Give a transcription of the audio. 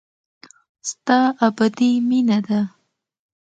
ستا ابدي مينه ده.